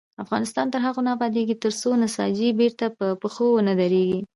افغانستان تر هغو نه ابادیږي، ترڅو نساجي بیرته په پښو ونه دریږي.